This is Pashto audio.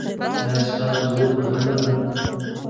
ایا ستاسو لوبه ښه نه ده؟